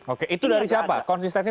oke itu dari siapa konsistensi